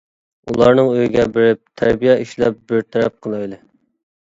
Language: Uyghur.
ئۇلارنىڭ ئۆيىگە بېرىپ تەربىيە ئىشلەپ بىر تەرەپ قىلايلى.